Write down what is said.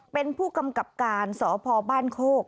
เป็นผู้กำกับการสพบ้านโคก